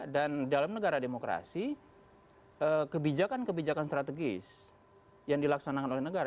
dan dalam negara demokrasi kebijakan kebijakan strategis yang dilaksanakan oleh negara